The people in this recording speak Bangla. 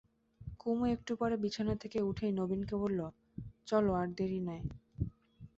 কুমু একটু পরে বিছানা থেকে উঠেই নবীনকে বললে, চলো আর দেরি নয়।